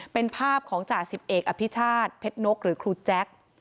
เป็นภาพของจ่าสิบเอกอภิชาติเพชรนกหรือครูแจ๊ค